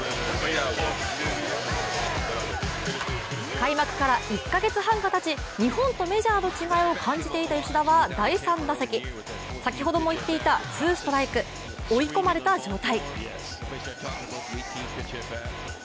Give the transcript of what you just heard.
開幕から１カ月半たち日本とメジャーの違いを感じていた吉田は第３打席、先ほども言っていたツーストライク、追い込まれた状態。